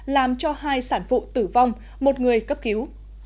làm cho hai sản phụ tử vong một người cấp cứu